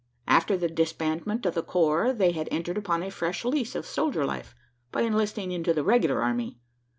After the disbandment of the corps, they had entered upon a fresh lease of soldier life, by enlisting into the regular army.